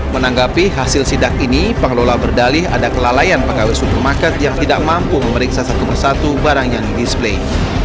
menanggapi hasil sidak ini pengelola berdalih ada kelalaian pegawai supermarket yang tidak mampu memeriksa satu persatu barang yang display